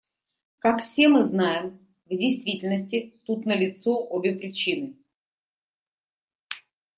Как все мы знаем, в действительности тут налицо обе причины.